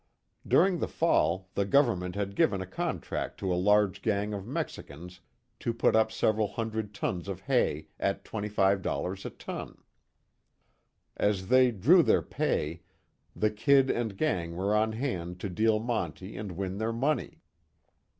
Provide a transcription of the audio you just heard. During the fall the government had given a contract to a large gang of Mexicans to put up several hundred tons of hay at $25 a ton. As they drew their pay, the "Kid" and gang were on hand to deal monte and win their money.